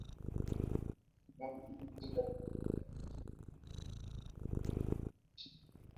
O'Donnell es el hermano gemelo de el escritor para televisión Steve O'Donnell.